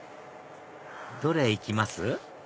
どれ行きます？